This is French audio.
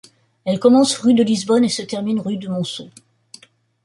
Elle commence rue de Lisbonne et se termine rue de Monceau.